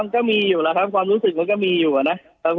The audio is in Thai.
ก็มีอยู่แล้วครับความรู้สึกมันก็มีอยู่นะ